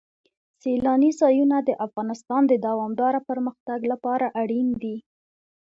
سیلانی ځایونه د افغانستان د دوامداره پرمختګ لپاره اړین دي.